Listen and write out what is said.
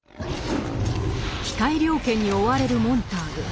機械猟犬に追われるモンターグ。